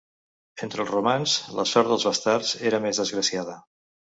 Entre els romans la sort dels bastards era més desgraciada.